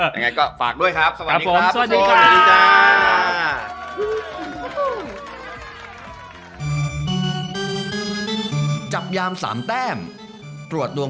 อย่างไรก็ฝากด้วยครับสวัสดีครับทุกคน